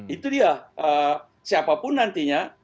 itu dia siapa pun nantinya